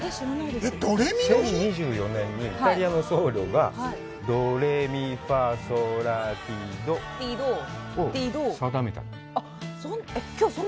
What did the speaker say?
１０２４年にイタリアの僧侶がドレミファソラシドを定めたの？